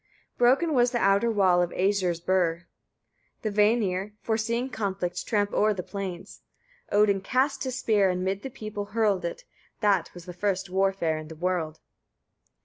28. Broken was the outer wall of the Æsir's burgh. The Vanir, foreseeing conflict, tramp o'er the plains. Odin cast [his spear], and mid the people hurled it: that was the first warfare in the world.